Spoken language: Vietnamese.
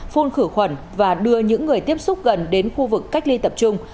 phun khử khuẩn và đưa những người tiếp xúc gần đến khu vực cách ly tập trung